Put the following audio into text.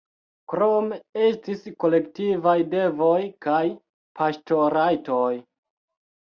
Krome estis kolektivaj devoj kaj paŝtorajtoj.